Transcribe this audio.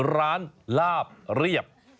ร้านลาบเรียบ